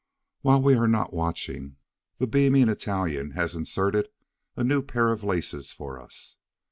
While we are not watching, the beaming Italian has inserted a new pair of laces for us.